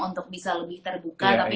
untuk bisa lebih terbuka tapi